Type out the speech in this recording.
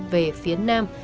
về phía nam